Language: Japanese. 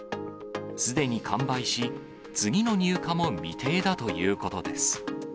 すでに完売し、次の入荷も未定だということです。